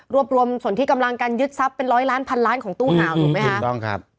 รวบรวมส่วนที่กำลังการยึดทรัพย์เป็น๑๐๐ล้านพันล้านของตู้หาวถูกไหมคะ